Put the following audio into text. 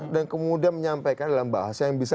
dan kemudian menyampaikan dalam bahasa yang bisa